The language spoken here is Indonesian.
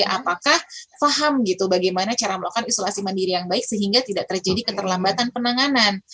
apakah faham gitu bagaimana cara melakukan isolasi mandiri yang baik sehingga tidak terjadi keterlambatan penanganan